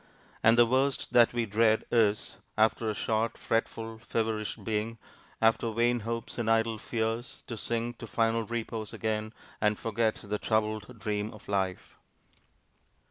And the worst that we dread is, after a short, fretful, feverish being, after vain hopes and idle fears, to sink to final repose again, and forget the troubled dream of life!...